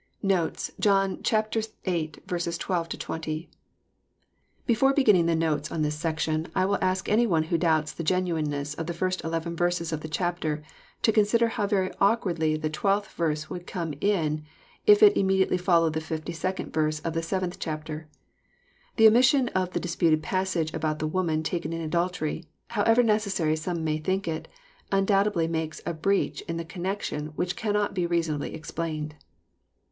v 78 EZFOsrroRr thoughts. KoTES. John vm. 12—20. Before beginning the notes on this section, I will ask any one who doubts the genuineness of the first eleven verses of the chapter, to consider how very awkwardly the twelfth verse would come in if it immediately followed the 62nd verse of the seventh chapter. — The omission of the dipputed passage about the woman taken in adultery, however necessary some may think it, undoubtedly makes a breach in the connection which cannot be reasonably explained.